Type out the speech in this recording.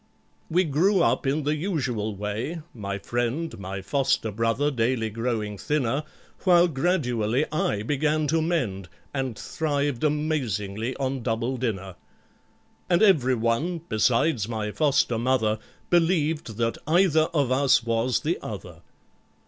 "We grew up in the usual way—my friend, My foster brother, daily growing thinner, While gradually I began to mend, And thrived amazingly on double dinner. And every one, besides my foster mother, Believed that either of us was the other.